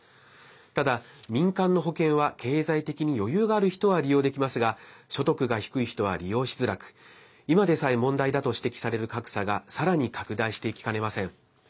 ただ、民間の保険は経済的に余裕がある人は利用できますが所得が低い人は利用しづらく今でさえ問題だと指摘される格差がさらに拡大していきかねません。